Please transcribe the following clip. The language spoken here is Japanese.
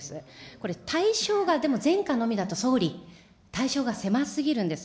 これ、対象がでも、前科のみだと総理、対象が狭すぎるんです。